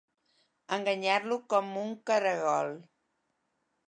Enganyar-lo com un caragol.